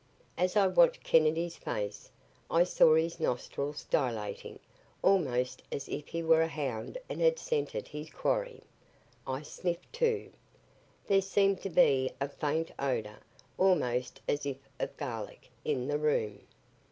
As I watched Kennedy's face, I saw his nostrils dilating, almost as if he were a hound and had scented his quarry. I sniffed, too. There seemed to be a faint odor, almost as if of garlic, in the room.